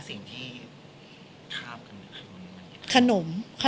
สิ่งที่ทราบคุณคุณค่ะ